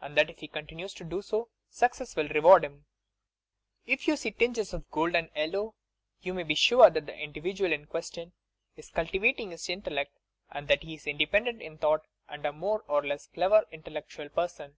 and that if he continues to do so success will reward him. YOUR PSYCHIC POWERS "If you see tinges of golden yellow, you may be sure that the individual in question is cultivating his intellect and that he is independent in thought and a more or less clever, intellectual person.